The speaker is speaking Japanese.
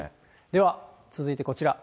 では続いてこちら。